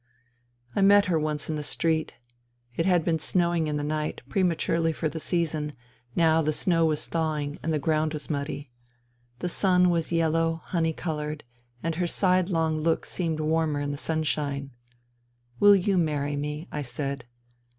I met her once in the street. It had been snowing in the night, prematurely for the season ; now the snow was thawing and the ground was muddy. The sun was yellow, honey coloured, and her side long look seemed warmer in the sunshine. " Will you marry me ?" I said.